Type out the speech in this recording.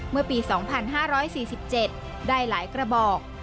เมื่อปี๒๕๔๗ได้หลายกระบอก